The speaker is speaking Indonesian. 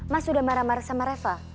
mas sudah marah marah sama reva